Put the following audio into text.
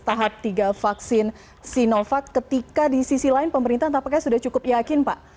tahap tiga vaksin sinovac ketika di sisi lain pemerintah tampaknya sudah cukup yakin pak